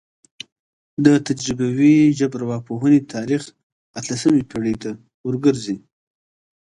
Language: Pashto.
د تجربوي ژبارواپوهنې تاریخ اتلسمې پیړۍ ته ورګرځي